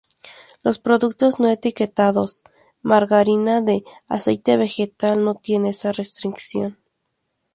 Los productos no etiquetados "margarina de aceite vegetal" no tienen esa restricción.